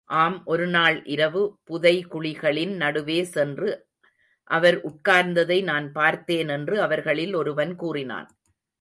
ஆம் ஒருநாள் இரவு, புதைகுழிகளின் நடுவே சென்று அவர் உட்கார்ந்ததை நான் பார்த்தேன் என்று அவர்களிலே ஒருவன் கூறினான்.